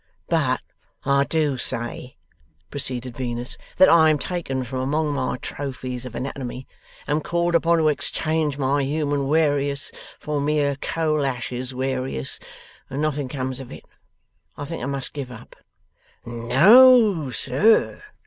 'But I do say,' proceeded Venus, 'that I am taken from among my trophies of anatomy, am called upon to exchange my human warious for mere coal ashes warious, and nothing comes of it. I think I must give up.' 'No, sir!